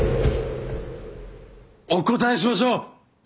お答えしましょう！